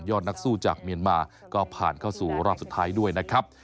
นักสู้จากเมียนมาก็ผ่านเข้าสู่รอบสุดท้ายด้วยนะครับ